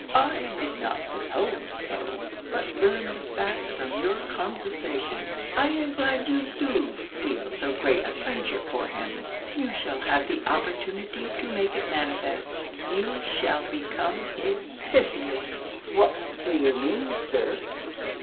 I did not suppose so, but learned the fact from your conversation. I am glad you do feel so great a friendship for him. You shall have opportunity to make it manifest. You shall become his Pythias!" "What do you mean, sir?"